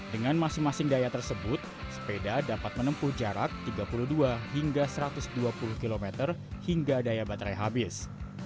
dengan masing masing daya tersebut sepeda dapat menempuh jarak tiga puluh dua hingga satu ratus dua puluh km hingga daya baterai habis